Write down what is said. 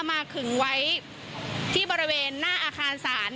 ขึงไว้ที่บริเวณหน้าอาคารศาล